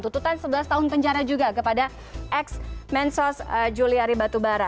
tuntutan sebelas tahun penjara juga kepada x men sauce juliari batubara